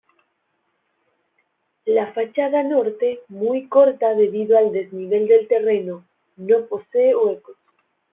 La fachada norte, muy corta debido al desnivel del terreno, no posee huecos.